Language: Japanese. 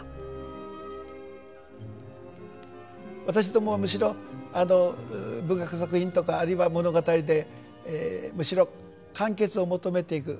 私どもはむしろ文学作品とかあるいは物語でむしろ完結を求めていく。